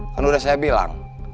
kan udah saya bilang